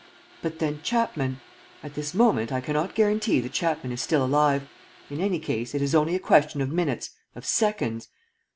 "But then Chapman ..." "At this moment, I cannot guarantee that Chapman is still alive. In any case, it is only a question of minutes, of seconds.